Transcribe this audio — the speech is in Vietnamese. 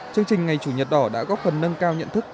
chương trình ngày chủ nhật đỏ đã góp phần nâng cao nhận thức